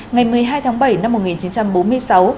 ngày một mươi hai tháng bảy năm hai nghìn một mươi chín